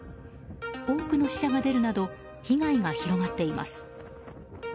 多くの死者が出るなど被害が広がっています。